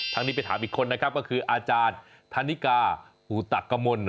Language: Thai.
นี้ไปถามอีกคนนะครับก็คืออาจารย์ธนิกาหูตะกมล